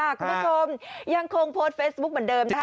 คุณผู้ชมยังคงโพสต์เฟซบุ๊คเหมือนเดิมนะคะ